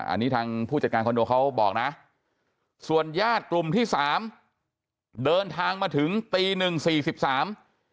อันนี้ทางผู้จัดการคอนโดเขาบอกนะส่วนญาติกลุ่มที่สามเดินทางมาถึงตีหนึ่งสี่สิบสาม